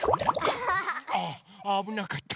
ああぶなかった。